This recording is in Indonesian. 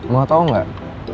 mau tau gak